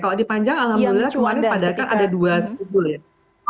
kalau di panjang alhamdulillah kemarin pada kan ada dua ya